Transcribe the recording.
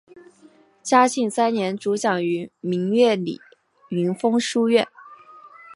嘉庆三年主讲于明月里云峰书院。